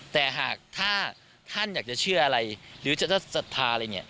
แต่หากถ้าท่านอยากจะเชื่ออะไรหรือจะศรัทธาอะไรอย่างนี้